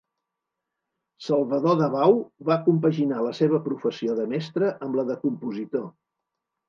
Salvador Dabau va compaginar la seva professió de mestre amb la de compositor.